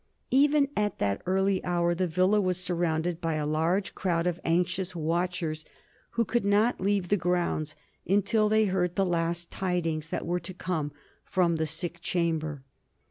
Even at that early hour the villa was surrounded by a large crowd of anxious watchers, who could not leave the grounds until they heard the last tidings that were to come from the sick chamber.